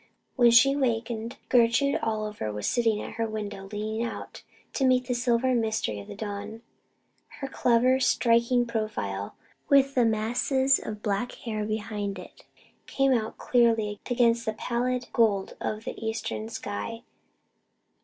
When she wakened Gertrude Oliver was sitting at her window leaning out to meet the silver mystery of the dawn. Her clever, striking profile, with the masses of black hair behind it, came out clearly against the pallid gold of the eastern sky.